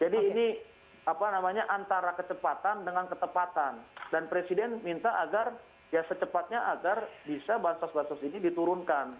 jadi ini apa namanya antara kecepatan dengan ketepatan dan presiden minta agar ya secepatnya agar bisa bantuan bantuan ini diturunkan